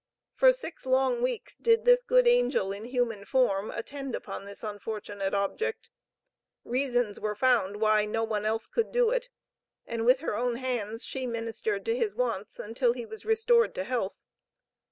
For six long weeks did this good angel in human form, attend upon this unfortunate object. Reasons were found why no one else could do it, and with her own hands, she ministered to his wants, until he was restored to health.